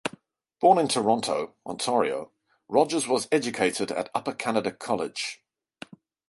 Born in Toronto, Ontario, Rogers was educated at Upper Canada College.